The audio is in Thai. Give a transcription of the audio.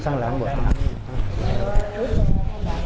นั่นหลังบทครับ